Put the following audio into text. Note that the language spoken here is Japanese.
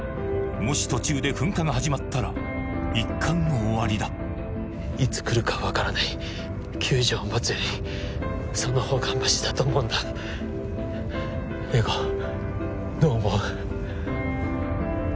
もし途中で噴火が始まったら一巻の終わりだいつ来るか分からない救助を待つよりその方がマシだと思うんだ玲子どう思う？